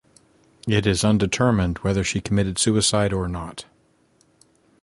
It is undetermined whether she committed suicide or not.